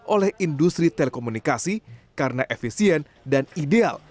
oleh industri telekomunikasi karena efisien dan ideal